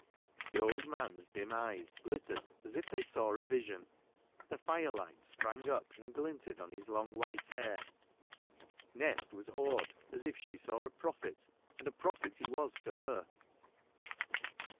The old man's dim eyes glittered as if they saw a vision ; the fire light sprang up and glinted on his long white hair. Nest was awed as if she saw a prophet, and a prophet he was to her.